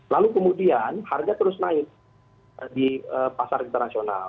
lalu kemudian harga terus naik di pasar internasional